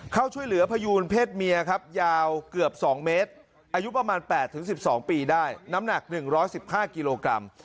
เข้าช่วยเหลือพยูนเพศเมียครับยาวเกือบสองเมตรอายุประมาณแปดถึงสิบสองปีได้น้ำหนักหนึ่งร้อยสิบห้ากิโลกรัม